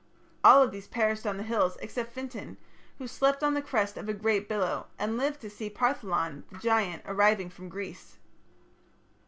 All of these perished on the hills except Fintan, who slept on the crest of a great billow, and lived to see Partholon, the giant, arriving from Greece.